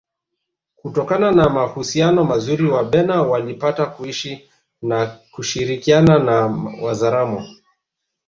kutokana na mahusiano mazuri Wabena walipata kuishi na kushirikiana na Wazaramo